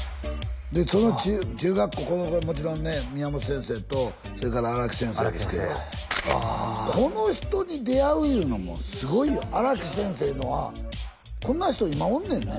でその中学校もちろんね宮本先生とそれから荒木先生ですけどこの人に出会ういうのもすごいよ荒木先生いうのはこんな人今おんねんね